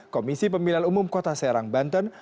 komisi pemilihan umum kota serang banten